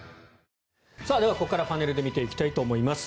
では、ここからパネルで見ていきたいと思います。